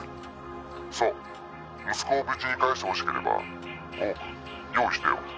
「そう息子を無事に返して欲しければ５億用意してよ」